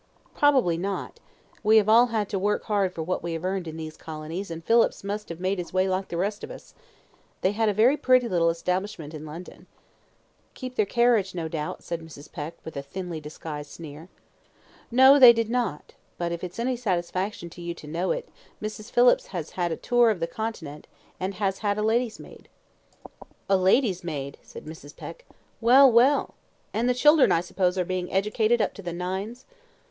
"Probably not; we have all had to work hard for what we have earned in these colonies and Phillips must have made his way like the rest of us. They had a very pretty little establishment in London." "Kep' their carriage, no doubt," said Mrs. Peck, with a thinly disguised sneer. "No, they did not; but if it's any satisfaction to you to know it, Mrs. Phillips has had a tour on the Continent, and has had a lady's maid." "A lady's maid," said Mrs. Peck; "well! well! and the children, I suppose, are being educated up to the nines?"